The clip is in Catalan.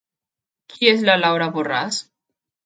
Qui és la Laura Borràs?